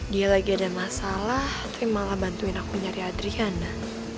dia lagi ada masalah tapi malah bantuin aku nyari adrian lah